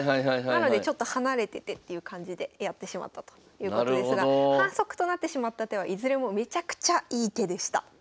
なのでちょっと離れててっていう感じでやってしまったということですが反則となってしまった手はいずれもめちゃくちゃいい手でした。